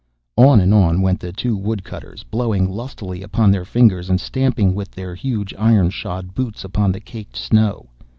On and on went the two Woodcutters, blowing lustily upon their fingers, and stamping with their huge iron shod boots upon the caked snow.